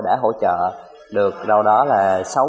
đã hỗ trợ được đâu đó là